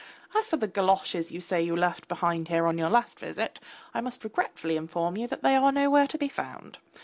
As for the galoshes you say you left behind here on your last visit, I must regretfully inform you that they are nowhere to be found.